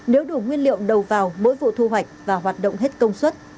nếu đủ nguyên liệu đầu vào mỗi vụ thu hoạch và hoạt động hết công suất